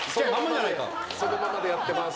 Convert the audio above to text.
そのままでやってます。